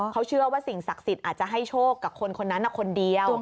เขาเชื่อว่าสิ่งศักดิ์สิทธิ์อาจจะให้โชคกับคนคนนั้นคนเดียว